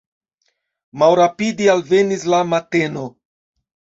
Malrapide alvenis la mateno.